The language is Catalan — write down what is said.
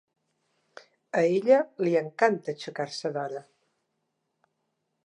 A ella li encanta aixecar-se d'hora.